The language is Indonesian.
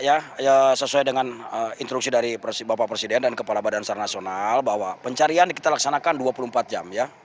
ya sesuai dengan instruksi dari bapak presiden dan kepala badan sar nasional bahwa pencarian kita laksanakan dua puluh empat jam ya